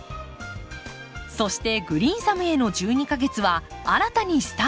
そして「グリーンサムへの１２か月」は新たにスタート！